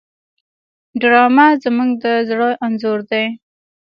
ډرامه زموږ د زړه انځور دی